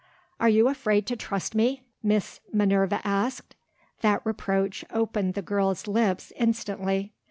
"Are you afraid to trust me?" Miss Minerva asked. That reproach opened the girl's lips instantly.